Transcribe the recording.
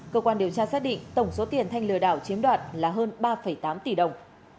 cơ quan điều tra xác định tổng số tiền thanh lừa đảo chiếm đoạt là hơn ba tám tỷ đồng